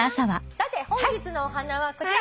さて本日のお花はこちら。